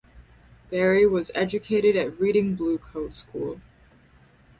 Berry was educated at Reading Blue Coat School.